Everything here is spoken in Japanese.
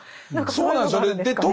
そうなんですよね。